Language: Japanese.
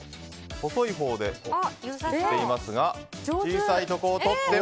細いほうでいっていますが小さいところを取って。